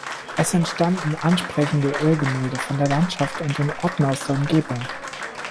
Es entstanden ansprechende Ölgemälde von der Landschaft und den Orten aus der Umgebung.